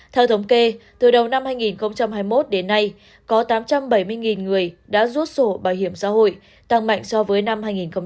theo thống kê từ đầu năm hai nghìn hai mươi một đến nay có tám trăm bảy mươi người đã rút sổ bảo hiểm xã hội tăng mạnh so với năm hai nghìn hai mươi hai